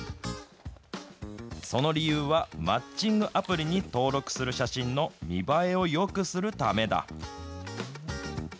その理由はマッチングアプリに登録する写真の見栄えをよくするためだ。